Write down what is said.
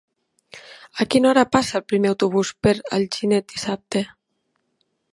A quina hora passa el primer autobús per Alginet dissabte?